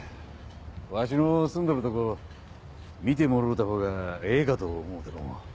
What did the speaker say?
わしの住んどるとこ見てもろうたほうがええかと思うての。